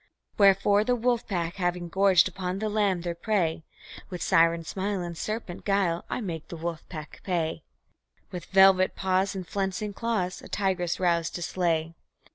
Wherefore, the wolf pack having gorged upon the lamb, their prey, With siren smile and serpent guile I make the wolf pack pay With velvet paws and flensing claws, a tigress roused to slay.